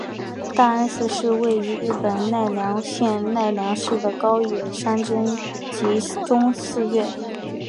大安寺是位在日本奈良县奈良市的高野山真言宗寺院。